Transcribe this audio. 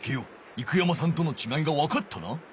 生山さんとのちがいがわかったな？